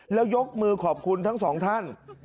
แล้วยกมือขอบคุณทั้งสองท่าน